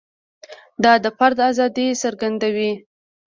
دا د فرد ازادي څرګندوي.